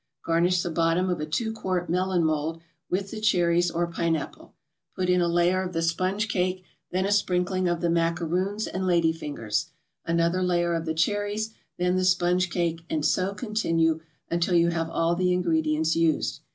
Garnish the bottom of a two quart melon mold with the cherries or pineapple, put in a layer of the sponge cake, then a sprinkling of the macaroons and lady fingers, another layer of the cherries, then the sponge cake, and so continue until you have all the ingredients used.